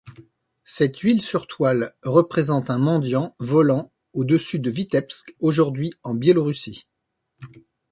Cette huile sur toile représente un mendiant volant au-dessus de Vitebsk, aujourd'hui en Biélorussie.